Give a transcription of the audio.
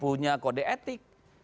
punya kode etik